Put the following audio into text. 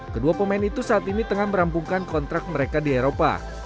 kedua pemain itu saat ini tengah merampungkan kontrak mereka di eropa